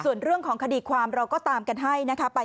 ส่วนเรื่องของคดีความเราก็ตามกันให้นะคะ